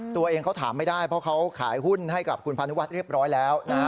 ตัวเองเขาถามไม่ได้เพราะเขาขายหุ้นให้กับคุณพานุวัฒน์เรียบร้อยแล้วนะ